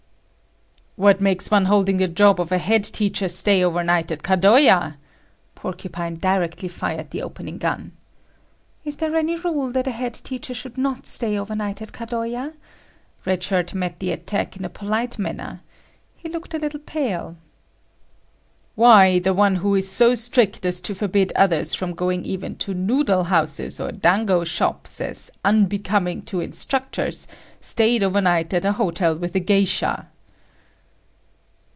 "What makes one holding the job of a head teacher stay over night at Kadoya!" Porcupine directly fired the opening gun. "Is there any rule that a head teacher should not stay over night at Kadoya?" Red Shirt met the attack in a polite manner. He looked a little pale. "Why the one who is so strict as to forbid others from going even to noodle house or dango shop as unbecoming to instructors, stayed over night at a hotel with a geisha!"